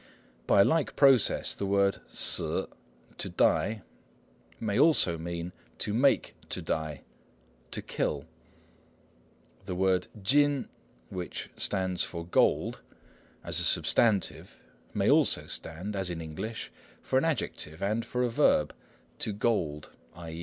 By a like process the word 死 ssŭ "to die" may also mean "to make to die" = "to kill." The word 金 chin which stands for "gold" as a substantive may also stand, as in English, for an adjective, and for a verb, "to gold," _i.